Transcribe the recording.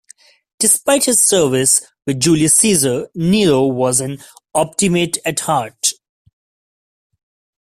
Despite his service with Julius Caesar, Nero was an Optimate at heart.